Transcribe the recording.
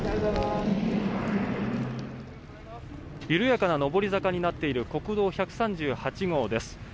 緩やかな上り坂になっている国道１３８号です。